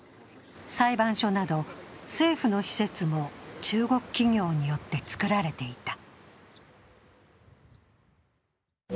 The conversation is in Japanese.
裁判所など政府の施設も中国企業によって造られていた。